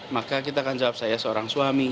maka kita akan jawab saya seorang suami